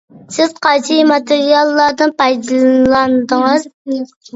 سىز قايسى ماتېرىياللاردىن پايدىلاندىڭىز؟